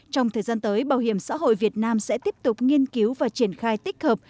trong thời gian tới bảo hiểm xã hội việt nam sẽ tiếp tục nghiên cứu và triển khai tích hợp